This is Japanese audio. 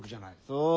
そう。